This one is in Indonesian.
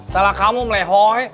salah kamu melehoi